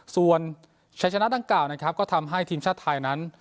ส่วนชัยชนะดังกล่าวนะครับก็ทำให้ทีมชาติไทยนั้น